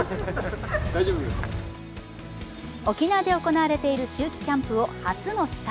沖縄で行われている秋季キャンプを初の視察。